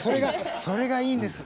それがいいんです。